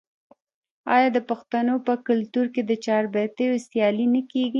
آیا د پښتنو په کلتور کې د چاربیتیو سیالي نه کیږي؟